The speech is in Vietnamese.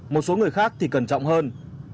một số người khác thì cẩn trọng hơn